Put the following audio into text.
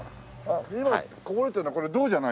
今こぼれてるのはこれ銅じゃないですか？